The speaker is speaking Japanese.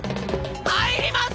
入ります